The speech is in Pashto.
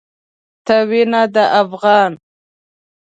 ته وينه د افغان